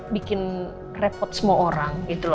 bikin repot semua orang